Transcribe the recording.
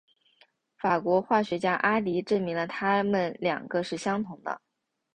法国化学家阿迪证明了它们两个是相同的。